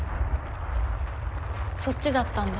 そっちだったんだ。